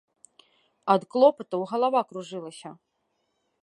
Ад клопатаў галава кружылася.